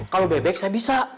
kalau baik baik saya bisa